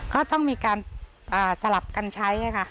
ก็ต้องมีการสลับกันใช้ค่ะ